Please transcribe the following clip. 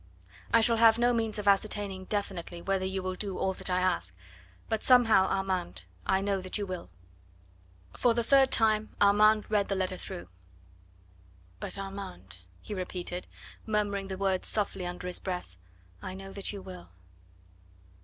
I shall have no means of ascertaining definitely whether you will do all that I ask; but somehow, Armand, I know that you will. For the third time Armand read the letter through. "But, Armand," he repeated, murmuring the words softly under his breath, "I know that you will."